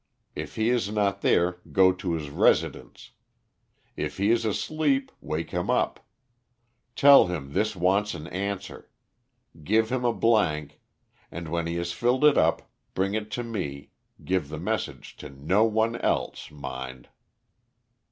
If he is not there, go to his residence. If he is asleep, wake him up. Tell him this wants an answer. Give him a blank, and when he has filled it up, bring it to me; give the message to no one else, mind."